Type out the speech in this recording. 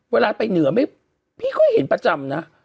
เวลาไปเหนือพี่ก็เห็นประจำนะ